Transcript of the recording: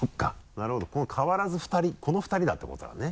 なるほど変わらずこの２人だってことだね。